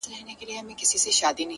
هره هیله د حرکت غوښتنه کوي!